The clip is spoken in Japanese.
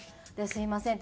「すみません。